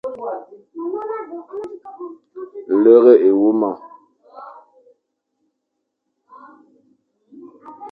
Lere éwuma.